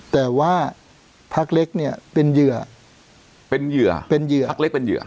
แต่ว่าพักเล็กเนี่ยเป็นเหยื่อเป็นเหยื่อเป็นเหยื่อพักเล็กเป็นเหยื่อ